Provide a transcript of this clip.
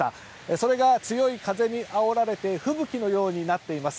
それが強い風にあおられて吹雪のようになっています。